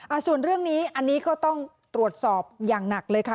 ส่วนเรื่องนี้อันนี้ก็ต้องตรวจสอบอย่างหนักเลยค่ะ